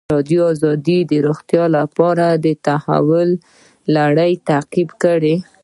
ازادي راډیو د روغتیا د تحول لړۍ تعقیب کړې.